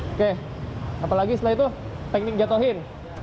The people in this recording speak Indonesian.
oke apalagi setelah itu teknik jatuhin